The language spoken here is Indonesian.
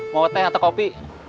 mau teh atau kopi